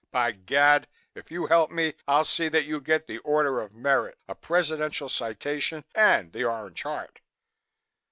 By Gad! If you help me, I'll see that you get the Order of Merit, a Presidential citation and the Orange Heart."